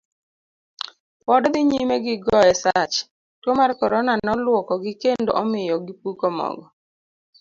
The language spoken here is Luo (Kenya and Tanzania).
Pod odhi nyime gi goye sach, tuo mar korona noluokogi kendo omiyo gipuko mogo.